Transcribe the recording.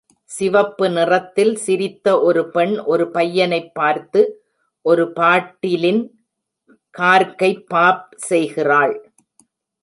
சிவப்பு நிறத்தில் சிரித்த ஒரு பெண் ஒரு பையனைப் பார்த்து ஒரு பாட்டிலின் கார்க்கை பாப் செய்கிறாள்.